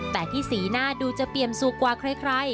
แต่ที่สีหน้าดูจะเปี่ยมสุกกว่าใคร